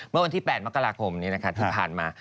เมื่อวันที่๘มกราคมที่ผ่านมา